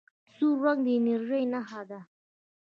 سور رنګ د انرژۍ نښه ده.